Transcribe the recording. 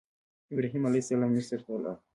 ابراهیم علیه السلام مصر ته لاړ.